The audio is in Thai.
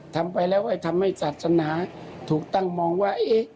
ทำไปแล้วก็ทำให้ศาสนาถูกตั้งมองว่า